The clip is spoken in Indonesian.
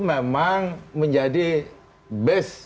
memang menjadi base